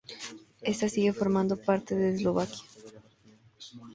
Ésta sigue formando parte de Eslovaquia.